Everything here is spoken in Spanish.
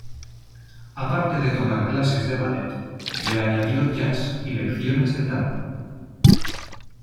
A parte de tomar clases de ballet, le añadió jazz y lecciones de tap.